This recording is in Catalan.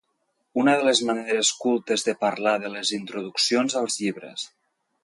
Una de les maneres cultes de parlar de les introduccions als llibres.